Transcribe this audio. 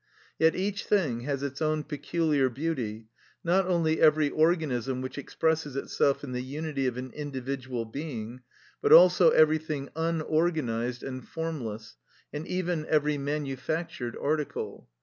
Yet each thing has its own peculiar beauty, not only every organism which expresses itself in the unity of an individual being, but also everything unorganised and formless, and even every manufactured article.